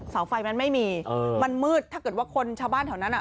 เสาไฟมันไม่มีมันมืดถ้าเกิดว่าคนชาวบ้านแถวนั้นอ่ะ